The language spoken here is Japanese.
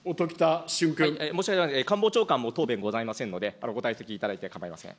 官房長官、もう答弁ございませんので、ご退席いただいて構いません。